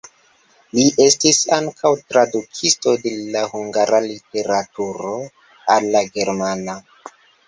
Li estis ankaŭ tradukisto de la hungara literaturo al la germana.